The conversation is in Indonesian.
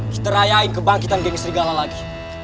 kita rayain kebangkitan geng serigala lagi